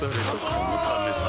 このためさ